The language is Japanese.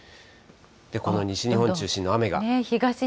この西日本中心の雨が。